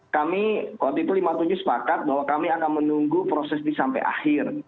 kami waktu itu lima puluh tujuh sepakat bahwa kami akan menunggu proses ini sampai akhir